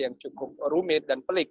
yang cukup rumit dan pelik